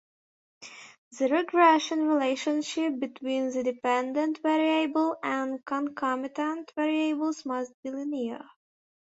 The regression relationship between the dependent variable and concomitant variables must be linear.